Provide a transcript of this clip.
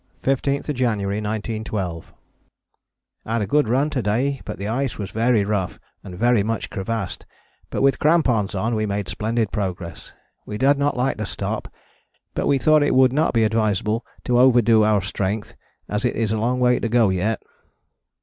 15th January 1912. Had a good run to day but the ice was very rough and very much crevassed, but with crampons on we made splendid progress. We did not like to stop, but we thought it would not be advisable to overdo our strength as it is a long way to go yet.